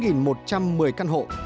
quy mô khoảng bốn một trăm một mươi căn hộ